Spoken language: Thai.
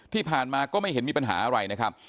ที่ผ่านมาก็ไม่เห็นมีปัญหาอะไรนะครับ